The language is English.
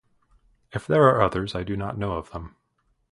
If there are others, I do not know of them.